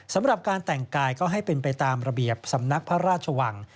สำหรับการแต่งกายก็ให้เป็นไปตามระเบียบสำนักพระราชวัง